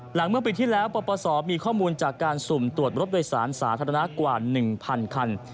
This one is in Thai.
เมื่อปีที่แล้วปปศมีข้อมูลจากการสุ่มตรวจรถโดยสารสาธารณะกว่า๑๐๐คัน